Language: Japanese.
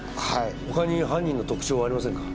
他に犯人の特徴はありませんか？